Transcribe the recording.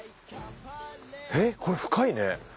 えっこれ深いね。